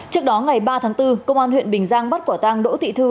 trước đó ngày ba tháng bốn công an huyện bình giang bắt quả tang đỗ thị thư